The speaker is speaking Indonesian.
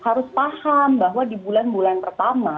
harus paham bahwa di bulan bulan pertama